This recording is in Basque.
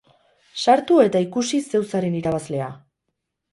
Sartu eta ikusi zeu zaren irabazlea.